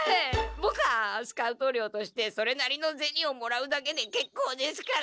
ボクはスカウト料としてそれなりのゼニをもらうだけでけっこうですから！